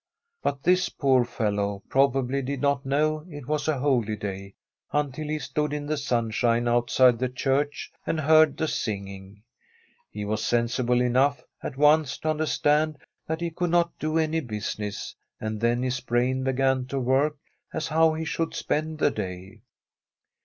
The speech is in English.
But this poor fellow probably did not know it was a holy day until he stood in the sun shine outside the church and heard the sing ing. He was sensible enough at once to under stand that he could not do any business, and then his brain began to work as to how he should spend the day.